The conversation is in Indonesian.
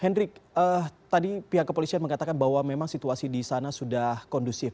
hendrik tadi pihak kepolisian mengatakan bahwa memang situasi di sana sudah kondusif